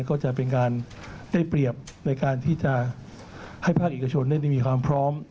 ก็จะเป็นการได้เปรียบในการที่จะให้ภาคเอกชนได้มีความพร้อม